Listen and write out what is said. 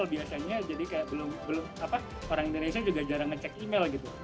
biasanya orang indonesia juga jarang ngecek email gitu